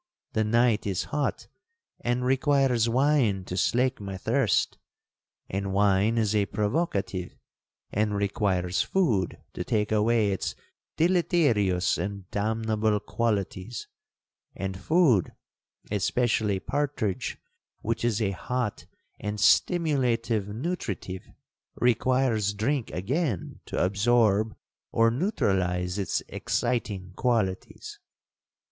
The night is hot, and requires wine to slake my thirst—and wine is a provocative, and requires food to take away its deleterious and damnable qualities—and food, especially partridge, which is a hot and stimulative nutritive, requires drink again to absorb or neutralize its exciting qualities.